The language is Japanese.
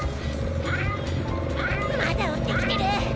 まだおってきてる！